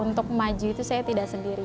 untuk maju itu saya tidak sendiri